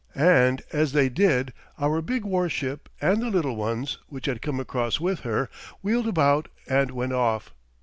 And as they did our big war ship and the little ones which had come across with her wheeled about and went off.